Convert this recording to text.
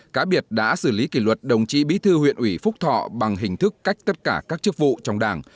cá biệt đã xử lý kỷ luật đồng chí bí thư huyện ủy phúc thọ bằng hình thức cách tất cả các chức vụ trong đảng